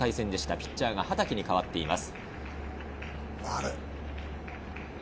ピッチャーは畠に代わっています。